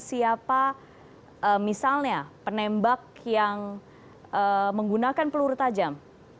siapa misalnya penembak yang menggunakan peluru tajam